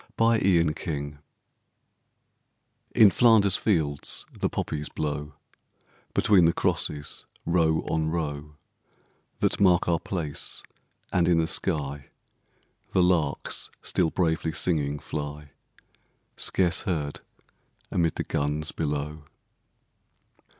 L.} IN FLANDERS FIELDS In Flanders fields the poppies grow Between the crosses, row on row That mark our place: and in the sky The larks still bravely singing, fly Scarce heard amid the guns below.